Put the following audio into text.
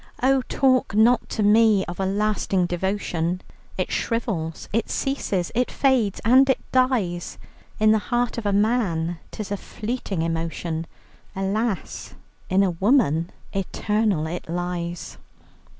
"Oh, talk not to me of a lasting devotion! It shrivels, it ceases, it fades and it dies. In the heart of a man 'tis a fleeting emotion; Alas, in a woman eternal it lies!"